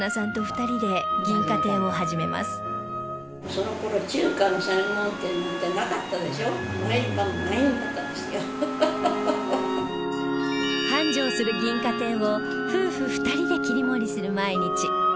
そして繁盛する銀華亭を夫婦２人で切り盛りする毎日